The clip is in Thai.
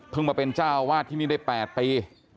เพิ่งมาเป็นเจ้าวาดที่นี่ได้๘ปี